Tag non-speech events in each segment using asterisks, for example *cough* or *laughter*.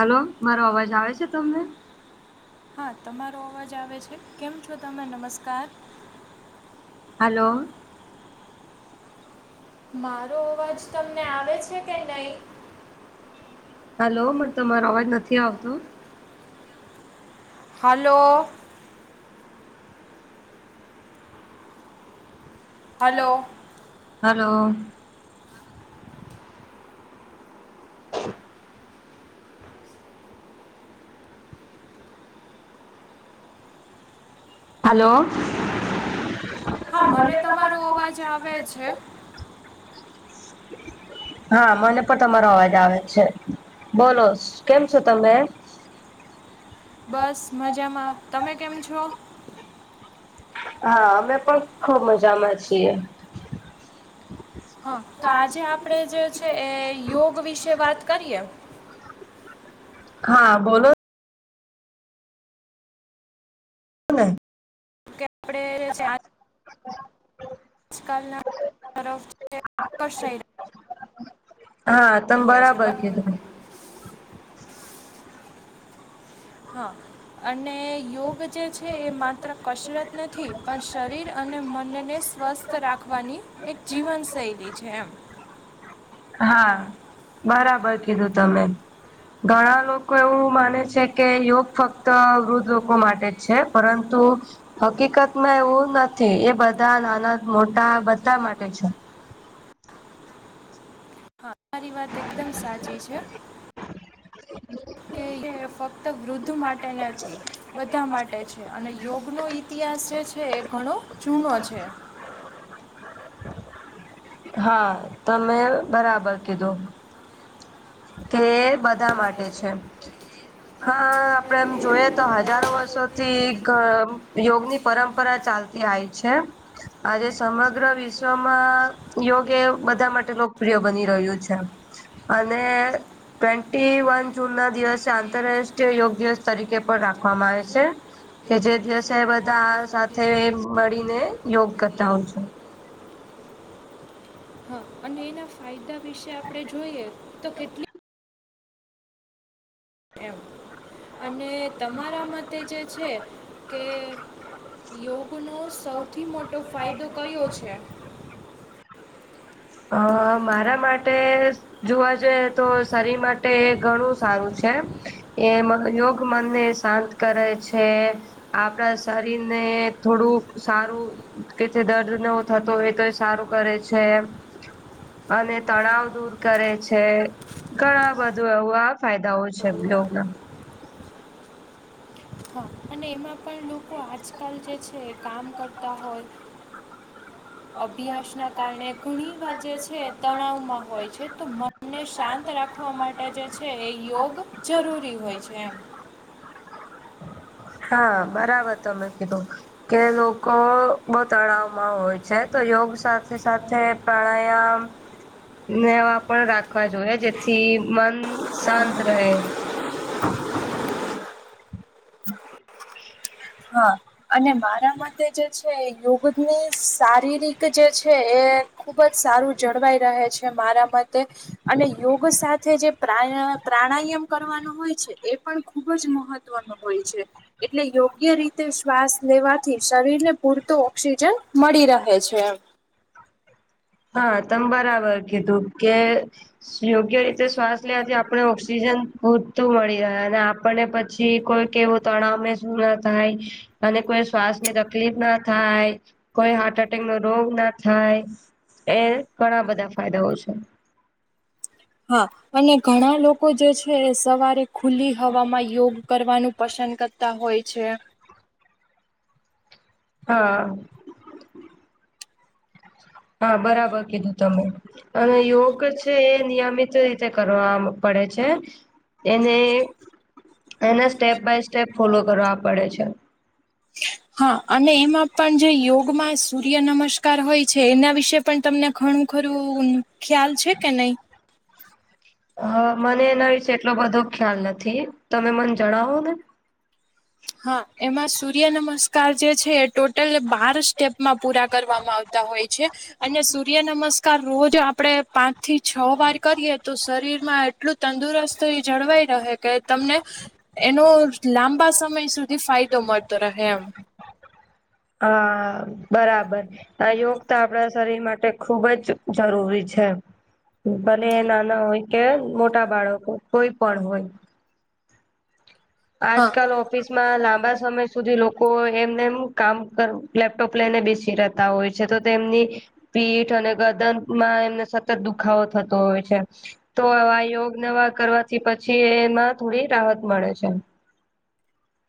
Hello મારો અવાજ આવે છે તમને? હા તમારો અવાજ આવે છે કેમ છો તમે? નમસ્કાર. હલો. મારો અવાજ તમને આવે છે કે નહી? હલો મન તમારો અવાજ નથી આવતો? હલો. હલો. હલો. *inaudible* હલો. હા મને તમારો તમારા અવાજ આવે છે *unintelligible* હા મને પણ તમારો અવાજ આવે છે. બોલોસ કેમ છો તમે? બસ મજામાં તમે કેમ છો? હા અમે પણ ખુબ મજામાં છીએ. હા તો આજે આપણે જે છે એ યોગ વિશે વાત કરીએ. હા બોલો. હ *unintelligible* કે આપણે છે *unintelligible* હ *inaudible* આજકાલ ના તરફ *unintelligible* હા તમે રહ્યા છે બરાબર કીધું. હા. અને યોગ જે છે એ માત્ર કસરત નથી પણ શરીર અને મન ને સ્વસ્થ રાખવાની, એક જીવનશૈલી છે એમ. હા, બરાબર કીધું તમે. ઘણા લોકો એવું માને છે કે યોગ ફક્ત વૃદ્ધ લોકો માટે છે. પરંતુ હકીકતમાં એવું નથી એ બધા નાના મોટા બધા માટે છે. હા તમારી વાત એકદમ સાચી છે. હ *unintelligible* કે એ ફક્ત વૃદ્ધ માટે નથી બધા માટે જ છે. અને યોગનો ઇતિહાસ જે છે એ ઘણો જૂનો છે. હા તમે બરાબર કીધું. કે બધા માટે છે. હા આપડે એમ જોઈએ તો હજારો વર્ષોથી ક યોગની પરંપરા ચાલતી જાઈ છે, આજે સમગ્ર વિશ્વમાં યોગ એ બધા માટે લોકપ્રિય બની રહ્યું છે. અને ટ્વેન્ટી વન જૂન ના દિવસે આ આંતરરાષ્ટ્રીય યોગ દિવસ તરીકે પણ રાખવામાં આવે છે. કે જે દિવસે બધા આ સાથે મળીને યોગ કરતા હોય છે. હા અને એના ફાયદા વિશે આપણે જોઈએ તો કેટલી એમ અને તમારા મતે જે છે કે યોગનો સૌથી મોટો ફાયદો કયો છે. અ મારા માટે જોવા જઈએ તો શરીર મા એ ઘણું સારું છે એ મ યોગ મન ને શાંત કરે છે. આપડા શરીર ને થોડુંક સારું કે જે દર્દ ન એવું થતો હોય તો એ સારું કરે છે. અને તણાવ દૂર કરે છે. ઘણા બધું એવું આ ફાયદાઓ છે યોગ ના હા અને એમાં પણ લોકો આજકાલ જે છે કામ કરતા હોય. અભ્યાસ ના કારણે ઘણી વાર જે છે તણાવ માં હોય છે. તો મન ને શાંત રાખવા માટે જે છે એ યોગ જરૂરી હોય છે એમ હા બરાબર તમે કીધુ કે લોકો બહુ તણાવ હોય છે તો યોગ સાથે સાથે પ્રાણાયામ નેવા પણ રાખવા જોઈએ જેથી મન શાંત રહે. હા અને મારા મતે જે છે યોગ ત ની સારી રીતે જે છે એ ખુબ જ સારું જળવાઈ રહે છે મારા મતે. અને યોગ સાથે જે પ્રા પ્રાણાયામ કરવાનો હોય છે એ પણ ખુબ જ મહત્વનું હોય છે એટલે યોગ્ય રીતે સ શ્વાસ લેવાથી શરીર ને પૂરતો ઓક્સિજન મળી રહે છે. એમ હા તમ બરાબર કીધું કે સ યોગ્ય રીતે શ્વાસ લેવાથી આપણે ઓક્સિજન પૂરતું મળી રહે અને આપણને પછી કોઈ કેવું તણાવ ને શું ના થાય અને કોઈ શ્વાસની તકલીફ ના થાય. કોઈ હાર્ટ એટેક નો રોગ ના થાય એ ઘણા બધા ફાયદાઓ છે. હા. અને ઘણા લોકો જે છે સવારે ખુલ્લી હવામાં યોગ કરવાનું પસંદ કરતા તા હોય છે. હા. હા બરાબર કીધું તમે અને યોગ છે એ નિયમિત રીતે કરવા મ પડે છે. એને એના સ્ટેપ બાય સ્ટેપ ફોલો કરવા પડે છે. *unintelligible* હા અને એમાં પણ જે યોગમાં સૂર્ય નમસ્કાર હોય છે એના વિશે પણ તમને ઘણું ખરું ખ્યાલ છે કે નહી હ મને એના વિશે એટલો બધો ખ્યાલ નથી તમે મને જણાવો ને હા એમાં સૂર્ય નમસ્કાર કાર જે છે એ ટોટલ બાર સ્ટેપમાં પૂરા કરવામાં આવતા હોય છે. અને સૂર્ય નમસ્કાર રોજ આપડે પાંચ થી છ વાર કરીએ તો શરીર માં એટલું તંદુરસ્ત જળવાઈ રહે કે તમને એનો લાંબા સમય સુધી ફાયદો મળતો રહે એમ હા બરાબર આ યોગ તો આપડા શરીર માટે ખૂબ જ જરૂરી છે. ભને નાના હોય કે મોટા બાળકો કોઈ પણ હોય આજ હા કલ ઓ ઓફિસમાં લાંબા સમય સુધી લોકો એમને એમ કામ લેપટોપ લઈને બેસી રે હોય છે તો તેમની પીઠ અને ગદન માં એમને સતત દુખાવો થતો હોય છે. તો આ યોગ નવા કરવાથી પછી એમાં થોડી રાહત મળે છે.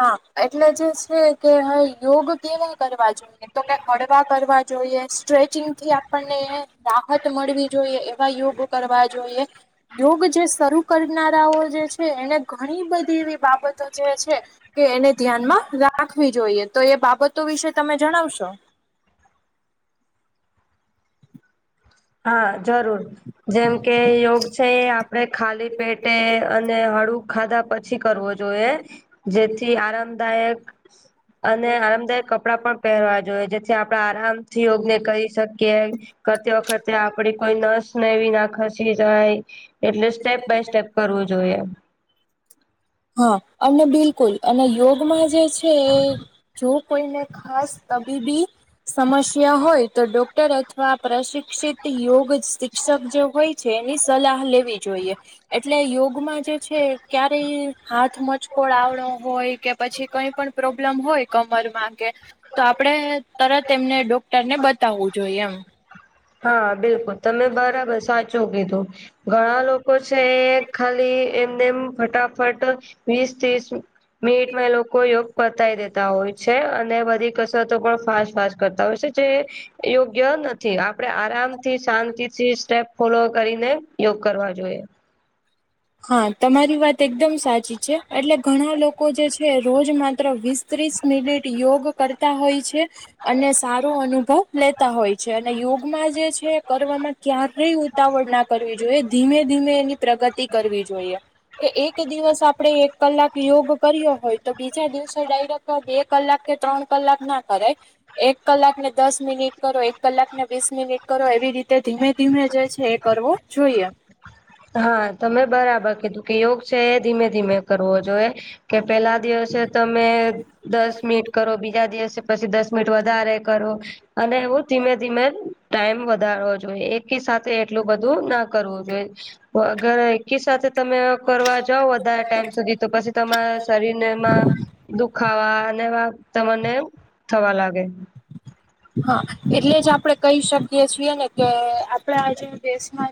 હા એટલે જે છે કે હ યોગ કેવા કરવા જોઈએ તો કે હળવા કરવા જોઈએ સ્ટ્રેચિંગ થી આપણને રાહત મળવી જોઈએ એવા યોગ કરવા જોઈએ. યોગ જે શરૂ કરનારાઓ જે છે એને ઘણી બધી એવી બાબતો જે છે કે એને ધ્યાનમાં રાખવી જોઈએ. તો એ બાબતો વિશે તમે જણાવશો? હા જરૂર જેમ કે યોગ છે એ આપડે ખાલી પેટે અને હળું ખાધા પછી કરવો જોઈએ જેથી આરામદાયક અને આરામદાયક કપડાં પણ પહેરવા જોઈએ જેથી આપડા આરામ યોગને કરી શકીએ કરતી વખત કોઈ નસને વિ ના ખસી જાય એટલે સ્ટેપ બાય સ્ટેપ કરવું જોઈએ. હા અને બિલકુલ અને યોગમાં જે છે એ જો કોઈને ખાસ તબીબી સમસ્યા હોય તો ડોક્ટર અથવા પ્રશિક્ષિત યોગ શિક્ષક જે હોય છે એની સલાહ લેવી જોઈએ. એટલે યોગમાં જે છે ક્યારેય હાથ મચકોળ આવડો હોય કે પછી કઈ પણ પ્રોબ્લેમ હોય કમરમાં કે તો આપડે તરત એમને ડોક્ટર ને બતાવવું જોઈએ એમ. હા બિલકુલ તમે બરાબર સાચું કીધું ઘણા લોકો છે એ ખાલી એમનેમ ફટાફટ વીસ ત્રીસ મિનિટમાં એ લોકો યોગ પતાય દેતા હોય છે અને બધી કસરતો પણ ફાસ્ટ ફાસ્ટ કરતા હોય છે જે યોગ્ય નથી. આપડે આરામ થી શાંતિ થી સ્ટેપ ફોલો કરીને યોગ કરવા જોઈએ. હા તમારી વાત એકદમ સાચી છે એટલે ઘણા લોકો જે છે રોજ માત્ર વીસ ત્રીસ મિનિટ યોગ કરતા હોય છે. અને સારો અનુભવ લેતા હોય છે. અને યોગમાં જે છે કરવામાં ક્યારેય ઉતાવળ ના કરવી જોઈએ ધીમે ધીમે એની પ્રગતિ કરવી જોઈએ. કે એક દિવસ આપડે એક કલાક યોગ કર્યો હોય તો બીજા દિવસે ડાયરેક્ટ કલાક કે ત્રણ કલાક ના કરે. એક કલાકને દસ મિનિટ કરો એક કલાકને વીસ મિનિટ કરો એવી રીતે ધીમે ધીમે જે છે એ કરવું. જોઈએ હા તમે બરાબર કીધું કે યોગ છે એ ધીમે ધીમે કરવો જોઈએ. કે પહેલા દિવસે છે તો તમે દસ મિનિટ કરો બીજા દિવસે પછી દસ મિનિટ વધારે કરો. અને એવું ધીમે ધીમે ટાઈમ વધારવો જોઈએ એક સાથે એટલું બધું ના કરવું જોઈએ વગર કી સાથે તમે કરવા જાવ વધારે ટાઈમ સુધી તો પછી તમારા શરીરને એમાં દુખાવા અને વા તમને થવા લાગે. હા એટલે જ આપડે કહી શકીએ છીએ ને કે આપડ આજે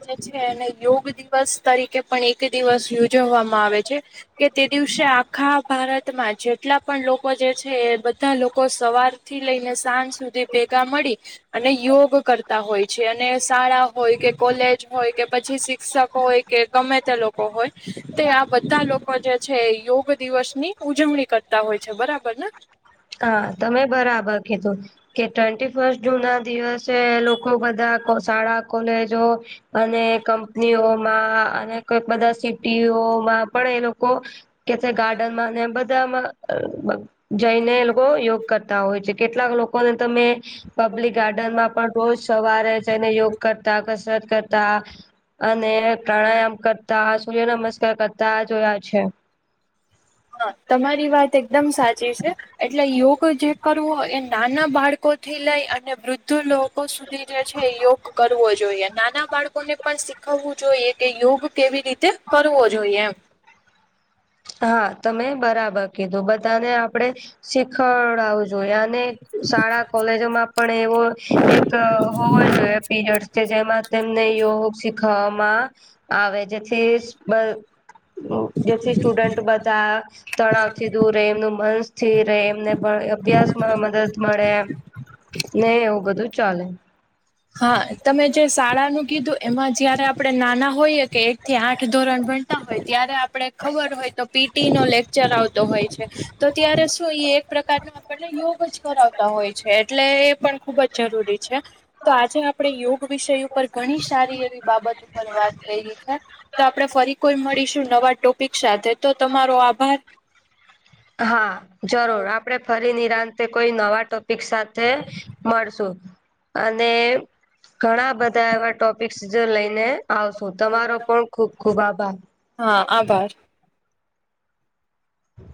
જે છે એને યોગ દિવસ તરીકે પણ એક દિવસ ઉજવવામાં આવે છે. કે તે દિવસે આખા ભારતમાં જેટલા પણ લોકો જે છે એ બધા લોકો સવાર- થી લઈને સાંજ સુધી ભેગા મળી અને યોગ કરતા હોય છે અને શાળા હોય કે કોલેજ હોય કે પછી શિક્ષક હોય કે ગમે તે લોકો હોય. તે આ બધા લોકો જે છે, યોગ દિવસ ની ઉજવણી કરતા હોય છે, બરાબર ને હા તમે બરાબર કીધું. કે ટ્વેન્ટી ફર્સ્ટ જૂન ના દિવસે લોકો બધા શાળા કોલેજો અને કંપનીઓમાં અને કોઈક બધા સિટીઓમાં પણ એ લોકો કે ગાર્ડન માં એ બધામાં જઈને લોકો યોગ કરતા હોય છે. કેટલાક લોકોને તમે પબ્લિક ગાર્ડન માં પણ રોજ સવારે જઈને યોગ કરતા, કસરત કરતા. અને પ્રાણાયામ કરતા સૂર્ય નમસ્કાર કરતા જોયા છે. હા તમારી વાત એકદમ સાચી છે. એટલે યોગ જે કરવો એ નાના બાળકો થી લઈ અને બધું લોકો સુધી જે છે યોગ કરવો જોઈએ નાના બાળકોને પણ શીખવવું જોઈએ કે યોગ કેવી રીતે કરવો જોઈએ એમ. હા તમે બરાબર કીધું બધાને આપડે શીખડાવું જોઈએ અને શાળા કોલેજોમાં પણ એવો એક હોવા જોઈએ પીરિયડ જેમાં તેમને યોગ શીખવામાં આવે જેથી જેથી સ્ટુડન્ટ બધા તણાવથી દૂર રહે એમનું મન સ્થિર રહે એમને અભ્યાસમાં મદદ મળે એ નહી એવું બધું જ ચાલે હા તમે જે શાળાનું કીધું એમાં જયારે આપણે નાના હોઈએ કે એક થી આઠ ધોરણ ભણતા હોય ત્યારે આપણે ખબર હોય તો પીટી નો લેક્ચર આવતો હોય છે, તો ત્યારે શું એક પ્રકાર ન આપણને યોગ જ કરાવતા હોય છે, એટલે એ પણ ખુબ જ જરૂરી છે. તો આજે આપણે યોગ વિષય ઉપર ઘણી સારી એવી બાબત ઉપર વાત કરી છે. તો આપડણે ફરી કોઈ મળીશું નવા ટોપિક સાથે તો તમારો આભાર હા જરૂર આપડે ફરી નિરાંત કોઈ નવા ટો પ સાથે મળશું અને ઘણા બધા એવા ટોપિકસ લઈને આવશો તમારો પણ ખુબ ખુબ આભાર. હા આભાર. હમ